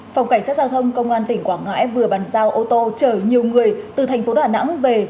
phòng cảnh sát giao thông công an tỉnh quảng ngãi vừa bàn giao ô tô chở nhiều người từ thành phố đà nẵng về